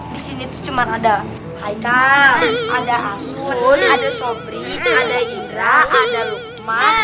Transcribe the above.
di sini tuh cuma ada haikal ada asun ada sopri ada indra ada lukman